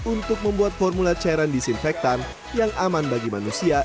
untuk membuat formula cairan disinfektan yang aman bagi manusia